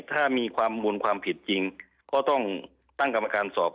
ถ้ามีความมูลความผิดจริงก็ต้องตั้งกรรมการสอบ